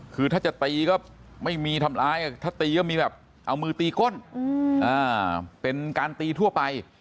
คือถ้าจะตีก็ไม่มีทำร้ายถ้าตีก็มีแบบเอามือตีก้นเป็นการตีทั่วไป